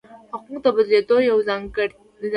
حقوق د بدلېدو یوه ځانګړې وړتیا لري.